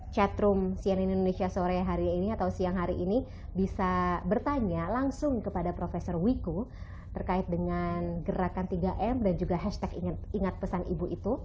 jadi kita bisa bertanya langsung kepada prof wiku terkait dengan gerakan tiga m dan juga hashtag ingat pesan ibu itu